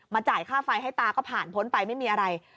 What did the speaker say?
จ่ายค่าไฟให้ตาก็ผ่านพ้นไปไม่มีอะไร